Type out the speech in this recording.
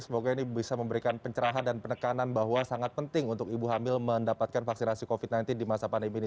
semoga ini bisa memberikan pencerahan dan penekanan bahwa sangat penting untuk ibu hamil mendapatkan vaksinasi covid sembilan belas di masa pandemi ini